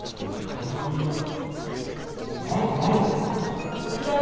うんな何ですか？